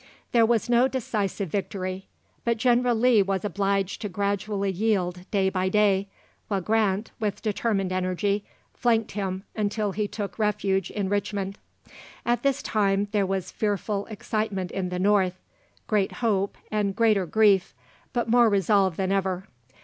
There was no decisive victory, but General Lee was obliged to gradually yield day by day, while Grant, with determined energy, flanked him until he took refuge in Richmond. At this time there was fearful excitement in the North, great hope, and greater grief, but more resolve than ever.